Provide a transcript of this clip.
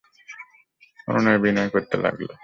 অনুনয় বিনয় করতে লাগল।